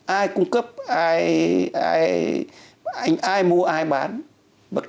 ai cung cấp ai mua ai bán